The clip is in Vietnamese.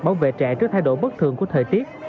bảo vệ trẻ trước thay đổi bất thường của thời tiết